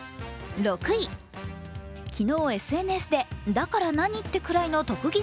昨日、ＳＮＳでだから何ってくらいの特技